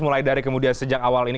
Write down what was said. mulai dari kemudian sejak awal ini